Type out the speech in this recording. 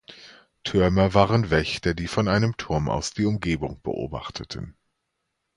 Türmer waren Wächter, die von einem Turm aus die Umgebung beobachteten.